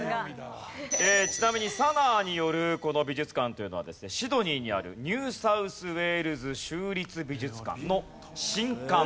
ちなみにＳＡＮＡＡによるこの美術館というのはですねシドニーにあるニュー・サウス・ウェールズ州立美術館の新館。